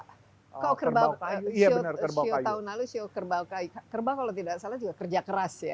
sio kerbau kayu sio tahun lalu sio kerbau kayu kerbau kalau tidak salah juga kerja keras ya